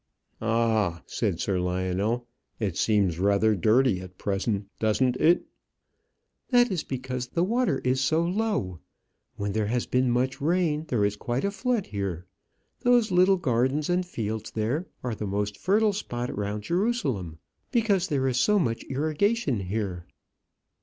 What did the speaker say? "Ah!" said Sir Lionel. "It seems rather dirty at present; doesn't it?" "That is because the water is so low. When there has been much rain, there is quite a flood here. Those little gardens and fields there are the most fertile spot round Jerusalem, because there is so much irrigation here."